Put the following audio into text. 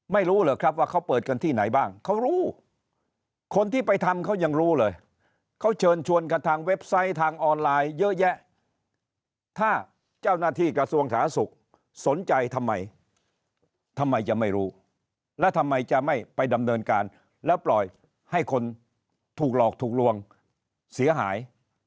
ไม่รู้เหรอครับว่าเขาเปิดกันที่ไหนบ้างเขารู้คนที่ไปทำเขายังรู้เลยเขาเชิญชวนกันทางเว็บไซต์ทางออนไลน์เยอะแยะถ้าเจ้าหน้าที่กระทรวงสาธารณสุขสนใจทำไมทำไมจะไม่รู้แล้วทำไมจะไม่ไปดำเนินการแล้วปล่อยให้คนถูกหลอกถูกลวงเสียหาย